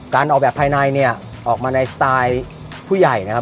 การออกแบบภายในเนี่ยออกมาในสไตล์ผู้ใหญ่นะครับ